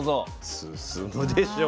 進むでしょう